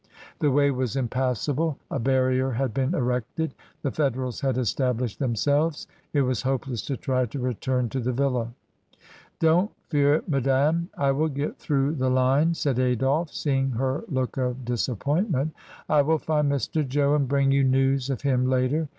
The way was impassable, a barrier had been erected; the Federals had estab lished themselves; it was hopeless to try to return to the villa. "Don't fear, madame. I will get through the line," said Adolphe, seeing her look of disappoint ment. "I will find Mr. Jo and bring you news of him later."